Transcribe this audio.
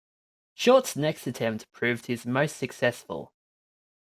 Short's next attempt proved his most successful.